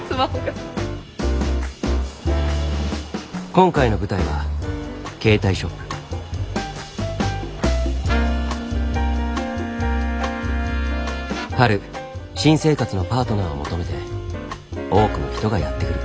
今回の舞台は春新生活のパートナーを求めて多くの人がやって来る。